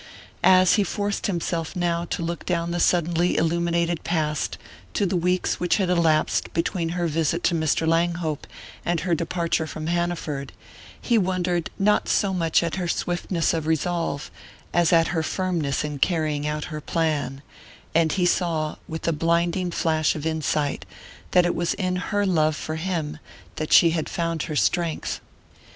As he forced himself, now, to look down the suddenly illuminated past to the weeks which had elapsed between her visit to Mr. Langhope and her departure from Hanaford, he wondered not so much at her swiftness of resolve as at her firmness in carrying out her plan and he saw, with a blinding flash of insight, that it was in her love for him that she had found her strength.